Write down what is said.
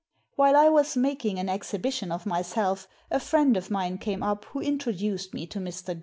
While I was making an exhibition of myself a friend of mine came up who introduced me to Mr, Goad. Mr.